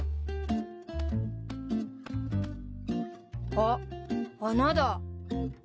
あっ穴だ。